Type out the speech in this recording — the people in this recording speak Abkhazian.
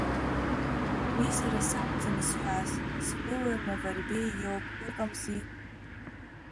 Уи сара сакәӡам изҳәаз, сгәыла Наварбеи иоуп, ыҟамзи.